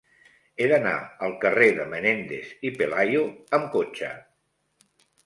He d'anar al carrer de Menéndez y Pelayo amb cotxe.